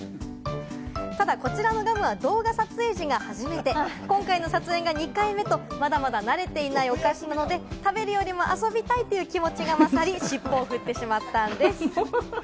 ただこちらのガムは動画撮影時が初めて、今回の撮影が２回目と、まだまだ慣れていないお菓子なので、食べるよりも遊びたいという気持ちが勝り、尻尾を振ってしまったんです。